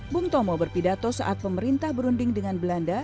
bung tomo berpidato saat pemerintah berunding dengan belanda